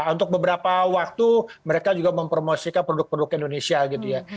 untuk beberapa waktu mereka juga mempromosikan produk produk indonesia gitu ya